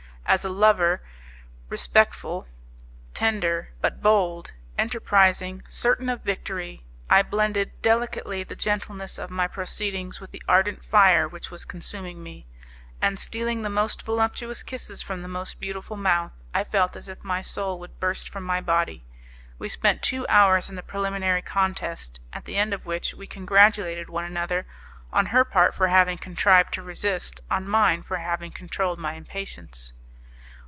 As a lover respectful, tender, but bold, enterprising, certain of victory, I blended delicately the gentleness of my proceedings with the ardent fire which was consuming me; and stealing the most voluptuous kisses from the most beautiful mouth I felt as if my soul would burst from my body. We spent two hours in the preliminary contest, at the end of which we congratulated one another, on her part for having contrived to resist, on mine for having controlled my impatience.